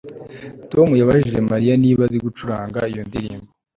Tom yabajije Mariya niba azi gucuranga iyo ndirimbo